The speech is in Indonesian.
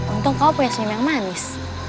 untung kamu punya senyum yang manis